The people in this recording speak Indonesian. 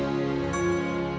di video selanjutnya